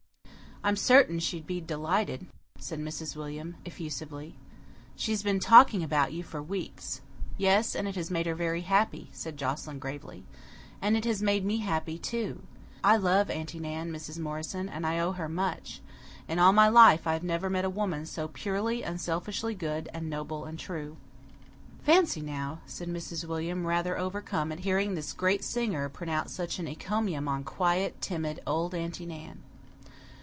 "I'm certain she'd be delighted," said Mrs. William effusively. "She's been talking about you for weeks." "Yes, it has made her very happy," said Joscelyn gravely. "And it has made me happy, too. I love Aunty Nan, Mrs. Morrison, and I owe her much. In all my life I have never met a woman so purely, unselfishly good and noble and true." "Fancy now," said Mrs. William, rather overcome at hearing this great singer pronounce such an encomium on quiet, timid old Aunty Nan.